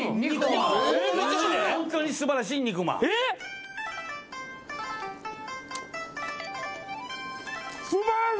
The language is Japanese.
ホントに素晴らしい肉まん。